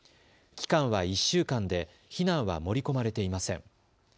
期間は１週間で避難は盛り込まれていません。